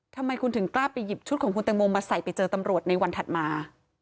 ทำไมคุณถึงกล้าไปหยิบชุดของคุณตังโมมาใส่ไปเจอตำรวจในวันถัดมา